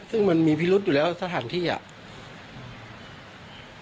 ซึ่งมันมีพิรุษอยู่แล้วสถานที่อ่ะ